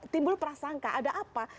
timbul prasangka ada apa